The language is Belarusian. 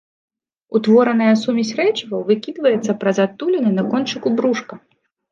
Утвораная сумесь рэчываў выкідваецца праз адтуліны на кончыку брушка.